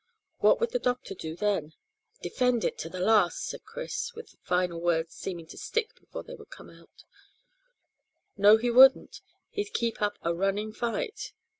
"What would the doctor do then?" "Defend it to the last," said Chris, with the final words seeming to stick before they would come. "No, he wouldn't; he'd keep up a running fight."